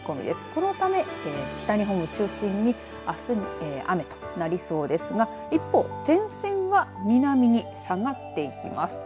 このため北日本を中心にあすも雨となりそうですが一方、前線は南に下がっていきます。